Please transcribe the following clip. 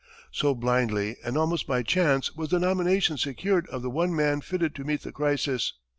So, blindly and almost by chance, was the nomination secured of the one man fitted to meet the crisis.